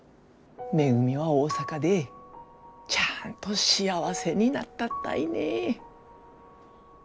めぐみは大阪でちゃんと幸せになったったいね。